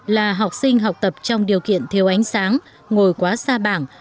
là học sinh học tập trong điều kiện thiếu ánh sáng ngồi quá xa bảng